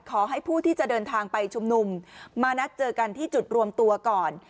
ขอให้ผู้ที่จะเดินทางไปชุมนุมมานัดเจอกันที่จุดรวมตัวก่อน